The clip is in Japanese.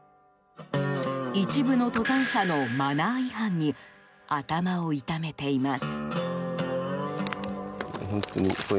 一部の登山者のマナー違反に頭を痛めています。